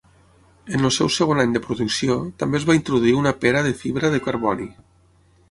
En el seu segon any de producció, també es va introduir una pera de fibra de carboni.